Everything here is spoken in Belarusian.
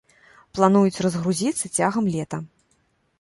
Плануюць разгрузіцца цягам лета.